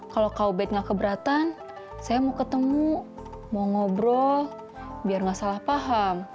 kalau kak ubed gak keberatan saya mau ketemu mau ngobrol biar gak salah paham